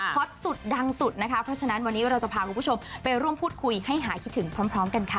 อตสุดดังสุดนะคะเพราะฉะนั้นวันนี้เราจะพาคุณผู้ชมไปร่วมพูดคุยให้หายคิดถึงพร้อมกันค่ะ